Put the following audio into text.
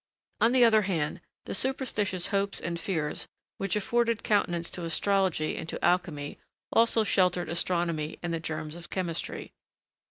On the other hand, the superstitious hopes and fears which afforded countenance to astrology and to alchemy also sheltered astronomy and the germs of chemistry.